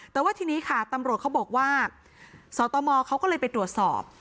แต่ว่าทีนี้ค่ะตำรวจเขาบอกว่าสตมเขาก็เลยไปตรวจสอบ